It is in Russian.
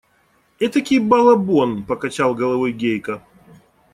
Этакий балабон! – покачал головой Гейка.